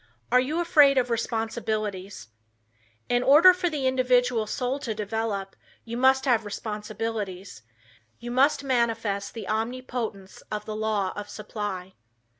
Are You Afraid of Responsibilities? In order for the individual soul to develop, you must have responsibilities. You must manifest the omnipotence of the law of supply.